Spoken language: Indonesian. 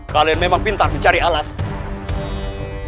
kalian memang pintar mencari alasan